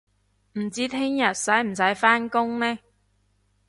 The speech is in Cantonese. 唔知聽日使唔使返工呢